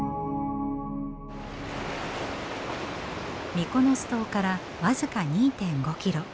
ミコノス島から僅か２．５キロ。